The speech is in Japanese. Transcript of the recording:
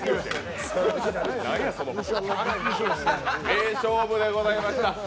名勝負でございました。